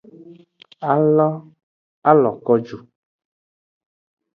A lo ko ju.